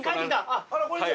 あらこんにちは。